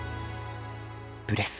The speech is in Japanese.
「ブレス」。